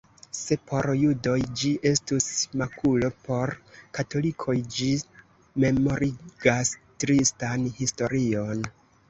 Se por judoj ĝi estus makulo, por katolikoj ĝi memorigas tristan historion.